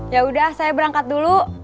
ya udah saya berangkat dulu